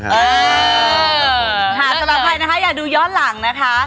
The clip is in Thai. สำหรับใครนะคะอย่าดูย้อนหลังนะคะ